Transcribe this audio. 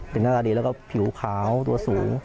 เป็นหน้าตาดีแล้วก็ผิวขาวตัวสูง